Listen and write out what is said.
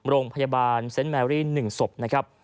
โรงพยาบาลเซ็นต์แมรี่๑ศพนะครับ